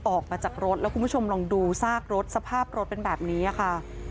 ออกมาจากรถแล้วคุณผู้ชมลองดูซากรถสภาพรถเป็นแบบนี้ค่ะ